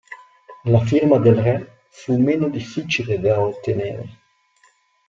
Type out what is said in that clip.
La firma del re fu meno difficile da ottenere.